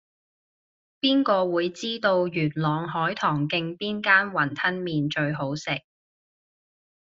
邊個會知道元朗海棠徑邊間雲吞麵最好食